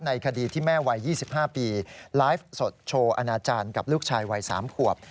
ในคดีที่แม่วัยยี่สิบห้าปีไลฟ์สดโชว์อนาจารย์กับลูกชายวัยสามขวบ